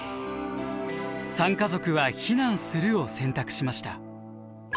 ３家族は避難するを選択しました。